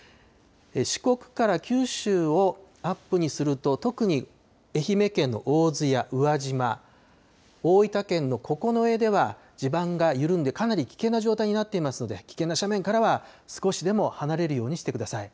四国から九州をアップにすると特に愛媛県の大洲や宇和島、大分県の九重では地盤が緩んでかなり危険な状態になっていますので危険な斜面からは少しでも離れるようにしてください。